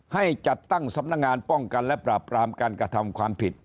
ให้จัดตั้งสำนักงานป้องกันและปราบปรามการกระทำความผิด